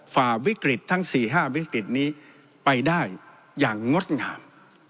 ฝ่าวิกฤตทั้ง๔๕วิกฤตนี้ไปได้อย่างงดงาม